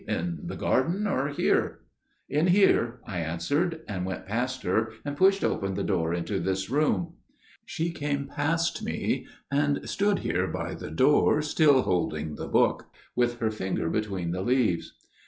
In the garden or here?' "'In here,' I answered, and went past her and pushed open the door into this room. "She came past me, and stood here by the door still holding the book, with her finger between the leaves.